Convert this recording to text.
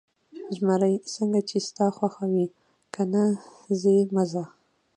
زمري: څنګه چې ستا خوښه وي، که نه ځې، مه ځه.